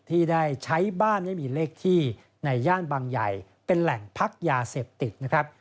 ที่ได้ใช้บ้านและมีเลขที่ในย่านบางใหญ่เป็นแหล่งพักยาเสพติดนะครับ